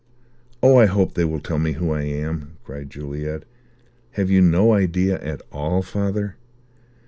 "Oh, I hope they will tell me who I am!" cried Juliet. "Have you no idea at all, father?"